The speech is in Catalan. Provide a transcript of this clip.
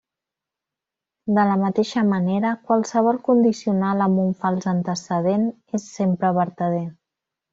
De la mateixa manera, qualsevol condicional amb un fals antecedent és sempre vertader.